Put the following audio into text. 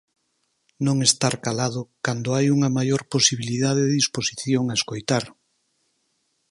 Non estar calado cando hai unha maior posibilidade e disposición a escoitar.